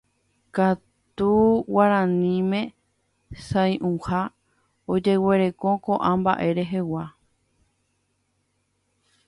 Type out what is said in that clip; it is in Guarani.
katu guaraníme sa'inunga ojeguereko ko'ã mba'e rehegua